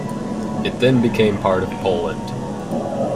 It then became part of Poland.